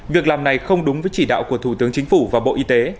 việc làm này không đúng với chỉ đạo của thủ tướng chính phủ và bộ y tế